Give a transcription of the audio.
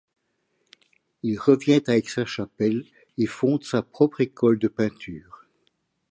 Il revient à Aix-la-Chapelle et fonde sa propre école de peinture.